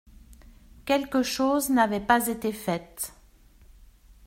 Quelques choses n’avaient pas été faites.